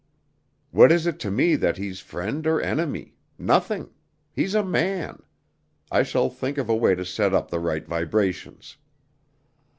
What is it to me that he's friend or enemy? Nothing. He's a man. I shall think of a way to set up the right vibrations."